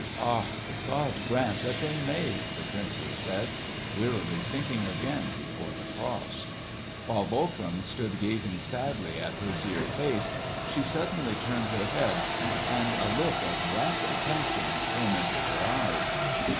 "Ah, God grant that they may!" the Princess said, wearily sinking again before the cross. While Wolfram stood gazing sadly at her dear face, she suddenly turned her head, and a look of rapt attention came into her eyes.